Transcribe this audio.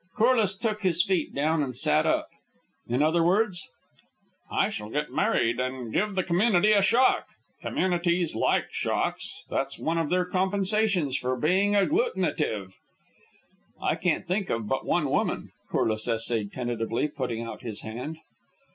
Corliss took his feet down and sat up. "In other words?" "I shall get married, and give the community a shock. Communities like shocks. That's one of their compensations for being agglutinative." "I can't think of but one woman," Corliss essayed tentatively, putting out his hand.